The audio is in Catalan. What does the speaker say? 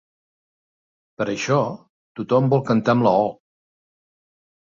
Per això tothom vol cantar amb la o.